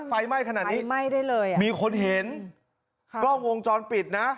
ไฟไหม้ขนาดนี้ไหม้ได้เลยอ่ะมีคนเห็นกล้องวงจรปิดนะ